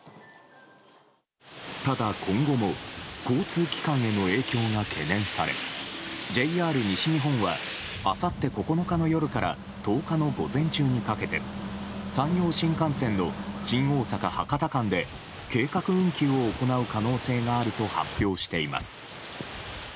ただ今後も交通機関への影響が懸念されＪＲ西日本はあさって９日の夜から１０日の午前中にかけて山陽新幹線の新大阪博多間で計画運休を行う可能性があると発表しています。